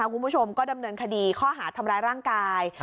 คุณผู้ชมก็ดำเนินคดีข้อหาทำร้ายร่างกาย